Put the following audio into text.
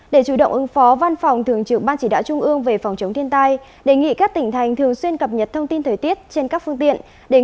để chủ động ứng phó văn phòng thường trực ban chỉ đạo trung ương về phòng chống thiên tai đề nghị các tỉnh thành thường xuyên cập nhật thông tin thời tiết trên các phương tiện